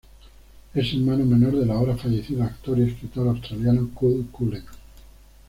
Es hermano menor del ahora fallecido actor y escritor australiano Cul Cullen.